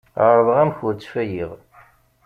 Ԑerḍeɣ amek ur ttfayiɣ.